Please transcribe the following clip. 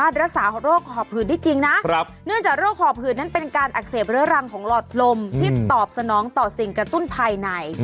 ที่ตอบสนองต่อสิ่งกระตุ้นภายใน